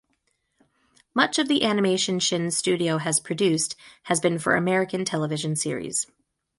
Much of the animation Shin's studio has produced has been for American television series.